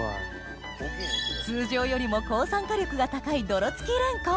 通常よりも抗酸化力が高い泥付きレンコン